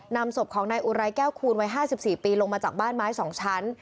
นำศพของนายอุไรแก้วคูณวัย๕๔ปีลงมาจากบ้านไม้๒ชั้น